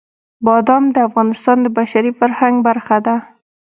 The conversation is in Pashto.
بادام د افغانستان د بشري فرهنګ برخه ده.